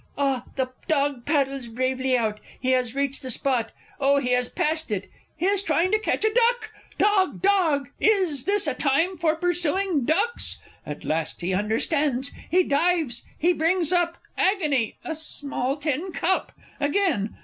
_) Ah, the dog paddles bravely out he has reached the spot ... oh, he has passed it! he is trying to catch a duck! Dog, dog, is this a time for pursuing ducks? At last he understands he dives ... he brings up agony! a small tin cup! Again